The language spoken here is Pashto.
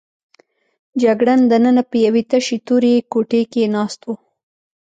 جګړن دننه په یوې تشې تورې کوټې کې ناست و.